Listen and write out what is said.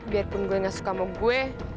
biarpun gue gak suka sama gue